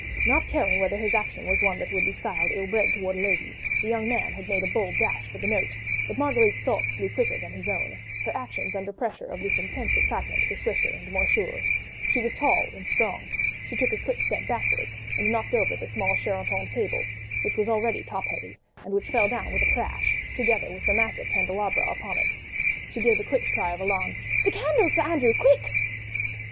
." Not caring whether his action was one that would be styled ill bred towards a lady, the young man had made a bold dash for the note; but Marguerite's thoughts flew quicker than his own; her actions, under pressure of this intense excitement, were swifter and more sure. She was tall and strong; she took a quick step backwards and knocked over the small Sheraton table which was already top heavy, and which fell down with a crash, together with the massive candelabra upon it. She gave a quick cry of alarm: "The candles, Sir Andrew—quick!"